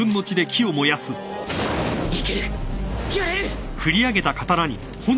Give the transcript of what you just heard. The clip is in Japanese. いける！やれる！